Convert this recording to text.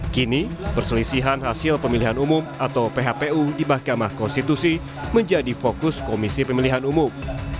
kini perselisihan hasil pemilihan umum atau phpu di mahkamah konstitusi menjadi fokus komisi pemilihan umum